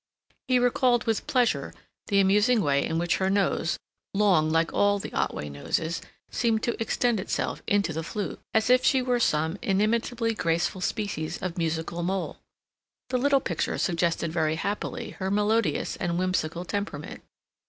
He recalled with pleasure the amusing way in which her nose, long like all the Otway noses, seemed to extend itself into the flute, as if she were some inimitably graceful species of musical mole. The little picture suggested very happily her melodious and whimsical temperament.